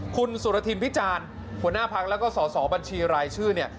คุณสุรทิมพิจารหัวหน้าภักร์และก็ส่อบัญชีรายชื่อ